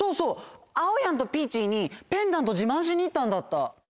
あおやんとピーチーにペンダントじまんしにいったんだった。